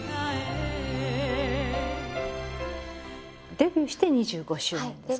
デビューして２５周年ですか？